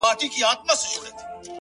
په دغه خپل وطن كي خپل ورورك؛